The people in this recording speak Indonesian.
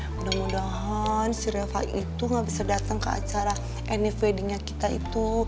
mudah mudahan si reva itu gak bisa datang ke acara annief weddingnya kita itu